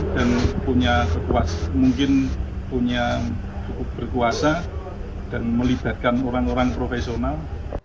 dan punya kekuasaan mungkin punya berkuasa dan melibatkan orang orang profesional